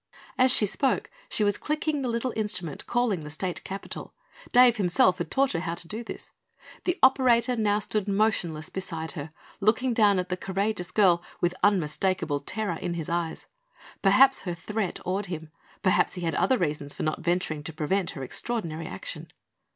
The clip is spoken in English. As she spoke she was clicking the little instrument, calling the state capitol. Dave himself had taught her how to do this. The operator now stood motionless beside her, looking down at the courageous girl with unmistakable terror in his eyes. Perhaps her threat awed him; perhaps he had other reasons for not venturing to prevent her extraordinary action.